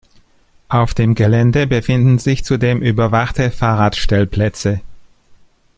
Auf dem Gelände befinden sich zudem überwachte Fahrradstellplätze.